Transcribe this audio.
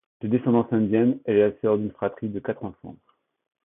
De descendance indienne, elle est la sœur d'une fratrie de quatre enfants.